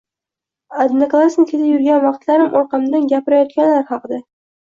Odnoklassnikida yurgan vaqtlarim orqamdan gapirayotganlar haqida